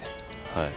はい。